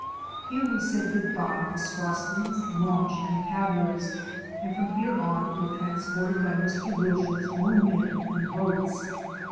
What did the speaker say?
Here we said good by to Sproston's launch and paddlers, and from here on were transported by Mr. Wilshire's own men and boats.